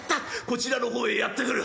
こちらの方へやって来る。